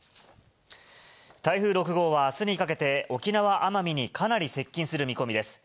台風６号はあすにかけて沖縄・奄美にかなり接近する見込みです。